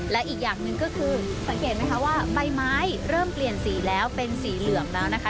และอีกอย่างหนึ่งก็คือสังเกตไหมคะว่าใบไม้เริ่มเปลี่ยนสีแล้วเป็นสีเหลืองแล้วนะคะ